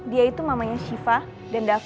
dia itu mamanya shifa dan dafa